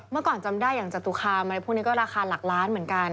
เมื่อก่อนจำได้อย่างจตุคามอะไรพวกนี้ก็ราคาหลักล้านเหมือนกัน